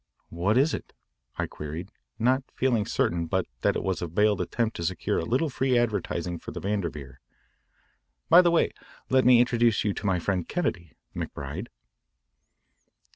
"What is it?" I queried, not feeling certain but that it was a veiled attempt to secure a little free advertising for the Vanderveer. "By the way, let me introduce you to my friend Kennedy, McBride."